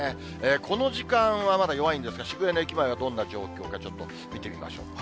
この時間はまだ弱いんですが、渋谷の駅前はどんな状況か、ちょっと見てみましょう。